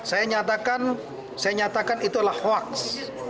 saya nyatakan itu adalah hoaks